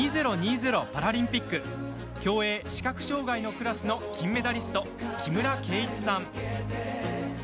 パラリンピック競泳・視覚障害のクラスの金メダリスト、木村敬一さん。